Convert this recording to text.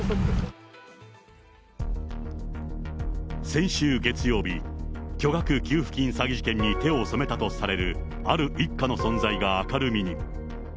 先週月曜日、巨額給付金詐欺事件に手を染めたとされるある一家の存在が明るみに。